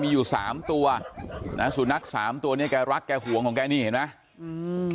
มีอยู่สามตัวนะสุนัขสามตัวเนี้ยแกรักแกห่วงของแกนี่เห็นไหมอืม